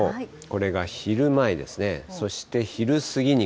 これが昼前ですね。